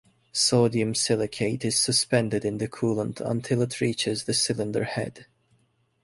Sodium silicate is suspended in the coolant until it reaches the cylinder head.